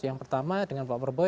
yang pertama dengan pak prabowo